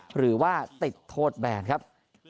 หรือว่าติดโทษแบนครับ